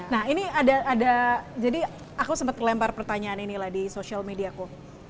nah ini ada jadi aku sempet kelempar pertanyaan ini lah di social media aku